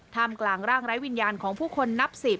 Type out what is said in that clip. กลางร่างไร้วิญญาณของผู้คนนับ๑๐